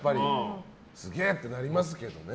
すげえってなりますけどね。